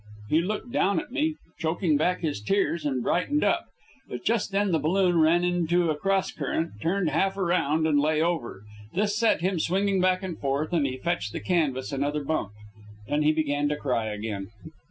He looked down at me, choking back his tears and brightening up, but just then the balloon ran into a cross current, turned half around and lay over. This set him swinging back and forth, and he fetched the canvas another bump. Then he began to cry again.